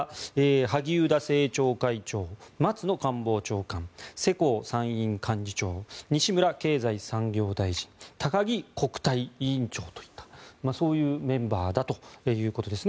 萩生田政調会長松野官房長官、世耕参院幹事長西村経済産業大臣高木国対委員長といったそういうメンバーだということです。